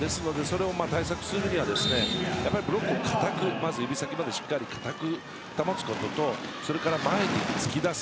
それを対策するには、ブロックをまず指先までしっかり硬く保つこととそれから前に突き出す。